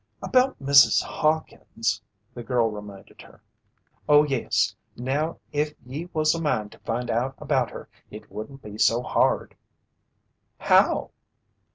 "About Mrs. Hawkins " the girl reminded her. "Oh, yes, now if ye was a mind to find out about her, it wouldn't be so hard." "How?"